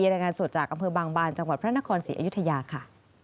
รายงานสดจากอำเภอบางบานจังหวัดพระนครศรีอยุธยาค่ะ